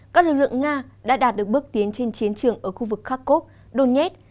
các lực lượng nga đã đạt được bước tiến trên chiến trường ở khu vực kharkov donet